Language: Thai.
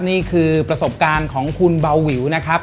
นี่คือประสบการณ์ของคุณเบาวิวนะครับ